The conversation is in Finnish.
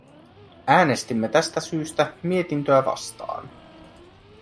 Äänestimme tästä syystä mietintöä vastaan.